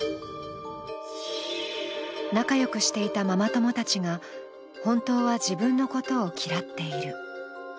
仲良くしていたママ友たちが、本当は自分のことを嫌っている。